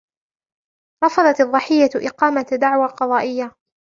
رفضت الضحية إقامة دعوى قضائية.